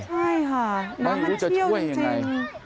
ใช่ค่ะน้ำมันเชี่ยวอย่างไร